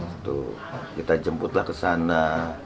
satu kita jemputlah ke sana